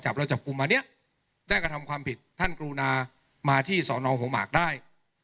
จากเราจับกลุ่มมาเนี่ยแรกกระทำความผิดท่านกรุณามาที่สอนองภงหมากได้